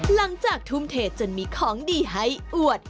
หลังจากทุ่มเทจนมีของดีให้อวด